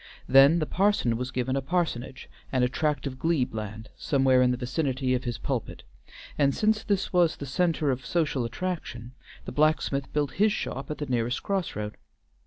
Then the parson was given a parsonage and a tract of glebe land somewhere in the vicinity of his pulpit, and since this was the centre of social attraction, the blacksmith built his shop at the nearest cross road.